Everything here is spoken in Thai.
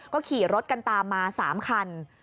ก็ขี่รถกันตามมา๓คัน